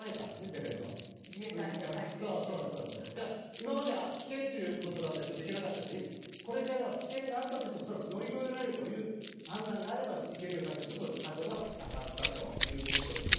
今までは危険ということだとちょっと行けなかったんですがこれからは危険があったとしてもそれを乗り越えられるという判断があれば行けるようになってちょっとハードルは下がったということですね。